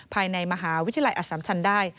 ภายในมหาวิทยาลัยอสัมชันได้